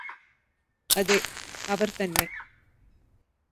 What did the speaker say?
അതെ അവര് തന്നെ